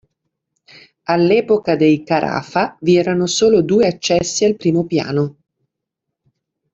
All'epoca dei Carafa vi erano solo due accessi al primo piano.